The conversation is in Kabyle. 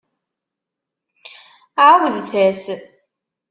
Ԑawdet-as!